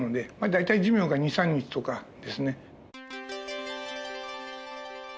大体寿命が２３日とかですね。